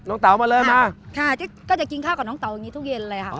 เต๋ามาเลยมาค่ะก็จะกินข้าวกับน้องเต๋าอย่างนี้ทุกเย็นเลยค่ะ